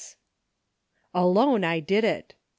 " Alone I did it."